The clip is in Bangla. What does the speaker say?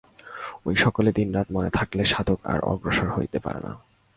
ঐ-সকলে দিনরাত মন থাকলে সাধক আর অগ্রসর হতে পারে না।